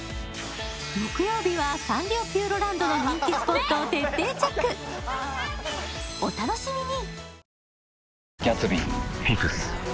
木曜日はサンリオピューロランドの人気スポットを徹底チェックお楽しみに！